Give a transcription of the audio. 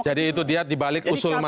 jadi itu dia dibalik usul mas